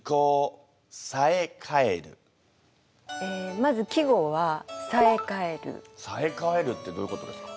まず季語は「冴返る」「冴返る」ってどういうことですか？